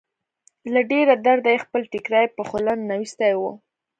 له ډېره درده يې خپل ټيکری په خوله ننوېستی و.